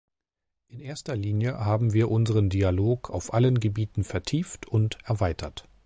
In erster Linie haben wir unseren Dialog auf allen Gebieten vertieft und erweitert.